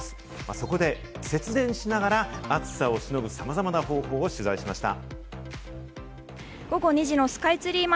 そこで節電しながら暑さをしのぐさまざまな方法を取材しました。